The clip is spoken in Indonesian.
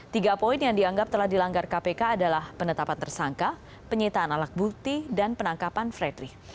tiga poin yang dianggap telah dilanggar kpk adalah penetapan tersangka penyitaan alat bukti dan penangkapan fredrik